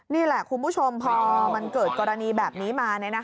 นี่แหละคุณผู้ชมพอมันเกิดกรณีแบบนี้มา